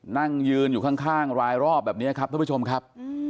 นั่งยืนอยู่ข้างรายรอบแบบนี้ครับท่านผู้ชมครับ